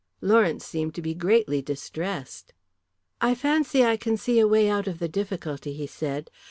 Lawrence seemed to be greatly distressed. "I fancy I can see a way out of the difficulty," he said.